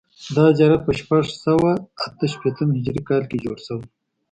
دا زیارت په شپږ سوه اته شپېتم هجري کال کې جوړ شوی.